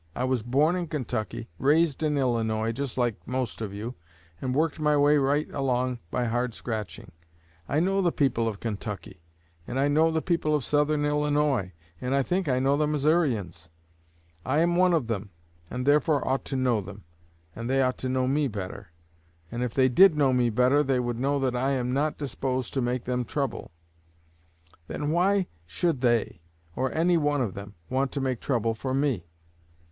I was born in Kentucky, raised in Illinois, just like the most of you, and worked my way right along by hard scratching. I know the people of Kentucky, and I know the people of Southern Illinois, and I think I know the Missourians. I am one of them, and therefore ought to know them, and they ought to know me better, and if they did know me better they would know that I am not disposed to make them trouble; then why should they, or any one of them, want to make trouble for me?